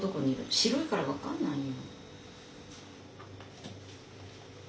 白いから分かんないよ。